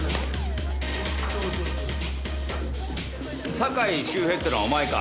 酒井修平っていうのはお前か？